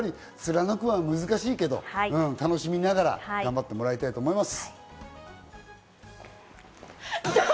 そこを貫くのは難しいけど楽しみながら頑張ってほしいと思います。